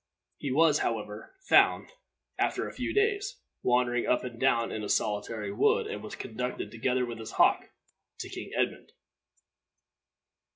He was, however, found, after a few days, wandering up and down in a solitary wood, and was conducted, together with his hawk, to King Edmund.